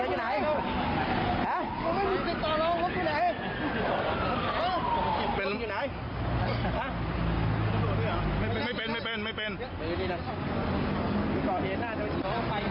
ก่อนที่เห็นหน้าที่เขาไปแล้ว